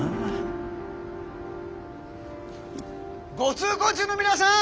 ご通行中の皆さん